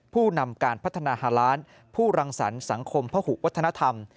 ผู้นำการพัฒนาฮาล้านผู้รังสรรคสังคมพหุวัฒนธรรม